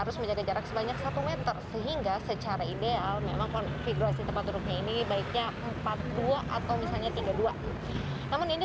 sehingga secara ideal memang konfigurasi tempat duduk ini baiknya empat puluh dua atau misalnya tiga puluh dua namun ini